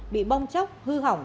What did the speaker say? bị bong chóc hư hỏng